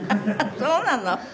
そうなの？